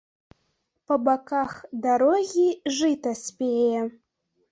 Па баках дарогі жыта спее.